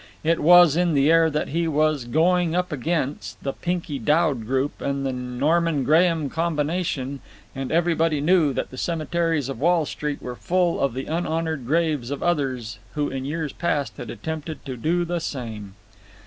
It was in the air that he was "going up against" the Pinkey Dowd group and the Norman Graham combination, and everybody knew that the cemeteries of Wall Street were full of the unhonoured graves of others who in years past had attempted to do the same.